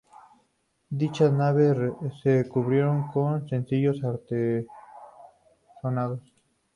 Dichas naves se cubren con sencillos artesonados.